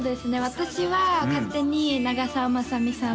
私は勝手に長澤まさみさん